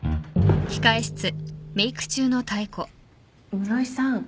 室井さん。